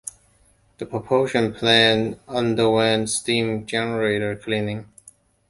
The propulsion plant underwent steam generator cleaning.